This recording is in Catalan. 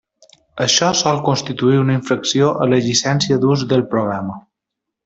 Això sol constituir una infracció a la llicència d'ús del programa.